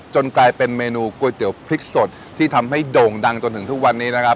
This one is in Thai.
กลายเป็นเมนูก๋วยเตี๋ยวพริกสดที่ทำให้โด่งดังจนถึงทุกวันนี้นะครับ